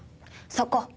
そこ。